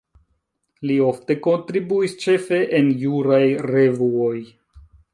Li ofte kontribuis ĉefe en juraj revuoj.